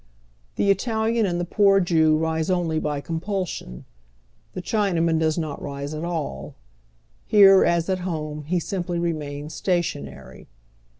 The Italian and the poor Jew rise only by compulsion. The Chinaman does not rise at all ; here, as at home, he simply remains sta tionary.